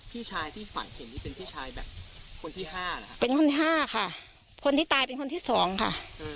พี่ชายที่ฝันเห็นนี่เป็นพี่ชายแบบคนที่ห้าเหรอคะเป็นคนห้าค่ะคนที่ตายเป็นคนที่สองค่ะ